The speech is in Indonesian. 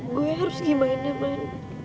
gue harus gimana man